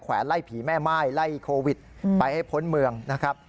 ไล่ผีแม่ม่ายไล่โควิดไปให้พ้นเมืองนะครับ